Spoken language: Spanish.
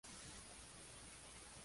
Es compositora y pianista.